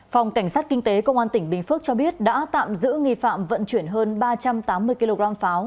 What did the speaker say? phòng cảnh sát kinh tế công an tỉnh bình phước cho biết đã tạm giữ nghi phạm vận chuyển hơn ba trăm tám mươi kg pháo